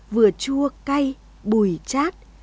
vừa chua cay bùi chát